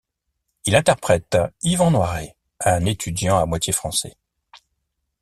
Il interprète Ivan Noiret, un étudiant à moitié français.